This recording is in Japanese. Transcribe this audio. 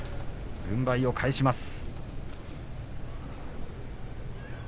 軍配を返します。